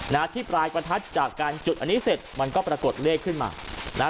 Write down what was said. นะฮะที่ปลายประทัดจากการจุดอันนี้เสร็จมันก็ปรากฏเลขขึ้นมานะฮะ